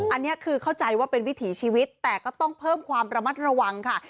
อันนี้คือเข้าใจว่าเป็นวิถีชีวิตแต่ก็ต้องเพิ่มความระมัดระวังค่ะ